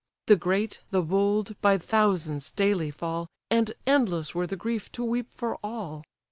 The great, the bold, by thousands daily fall, And endless were the grief, to weep for all.